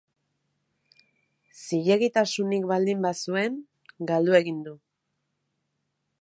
Zilegitasunik baldin bazuen, galdu egin du.